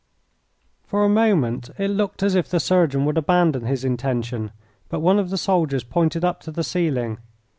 For a moment it looked as if the surgeon would abandon his intention, but one of the soldiers pointed up to the ceiling.